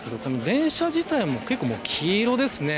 電車自体も結構、黄色ですね。